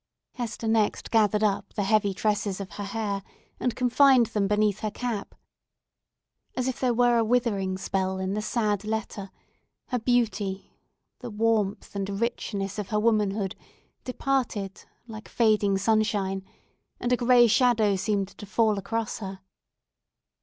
Hester next gathered up the heavy tresses of her hair and confined them beneath her cap. As if there were a withering spell in the sad letter, her beauty, the warmth and richness of her womanhood, departed like fading sunshine, and a gray shadow seemed to fall across her.